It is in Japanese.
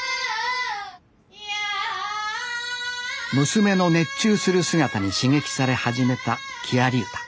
娘の熱中する姿に刺激され始めた木遣り歌。